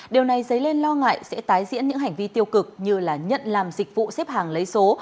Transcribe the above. điều này dấy lên lo ngại sẽ tái diễn những hành vi tiêu cực như là nhận làm dịch vụ xếp hàng lấy số